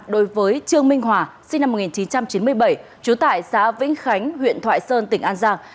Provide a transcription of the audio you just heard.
đối với trương minh hòa sinh năm một nghìn chín trăm chín mươi bảy trú tại xã vĩnh khánh huyện thoại sơn tỉnh an giang